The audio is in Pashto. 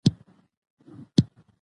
لکه ونه د چنار ځالې په غېږ کې